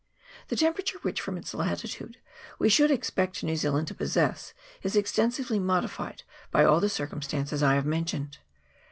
The temperature which, 'from its latitude, we should expect New Zealand to possess, is extensively modified by all the circumstances I have mentioned.